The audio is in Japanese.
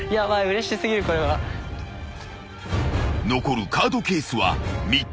［残るカードケースは３つ］